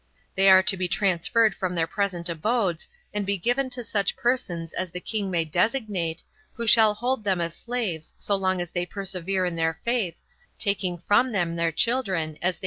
They are to be transferred from their present abodes and be given to such persons as the king may designate, who shall hold them as slaves so long as they per severe in their faith, taking from them their children as they S.